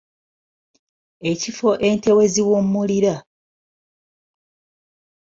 Ekifo ente we ziwummulira.